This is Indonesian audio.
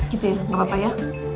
gitu ya nggak apa apa ya